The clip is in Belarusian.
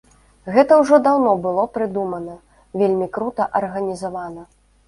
Гэта ўжо даўно было прыдумана, вельмі крута арганізавана.